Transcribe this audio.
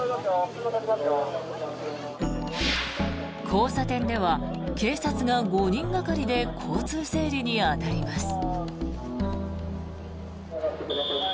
交差点では警察が５人がかりで交通整理に当たります。